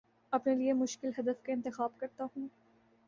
اپنے لیے مشکل ہدف کا انتخاب کرتا ہوں